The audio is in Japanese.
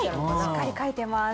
しっかり書いてます。